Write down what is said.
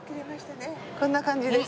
こんな感じです。